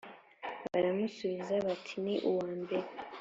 Baramusubiza bati “Ni uwa mbere.”